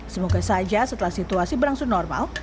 semoga saja setelah situasi berangsur normal